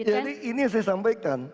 jadi ini yang saya sampaikan